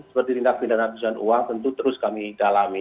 seperti tindak pindahan kebijakan uang tentu terus kami dalami